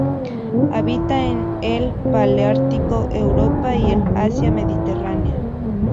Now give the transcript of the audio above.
Habita en el paleártico: Europa y el Asia mediterránea.